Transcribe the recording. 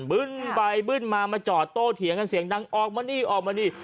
บึ้นไปบึ้นมามาจอดโต้เถียงกันเสียงดังออกมานี่ออกมานี่